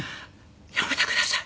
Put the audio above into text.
「やめてください！